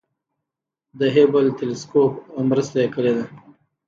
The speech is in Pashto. د هبل تلسکوپ مرسته یې کړې ده.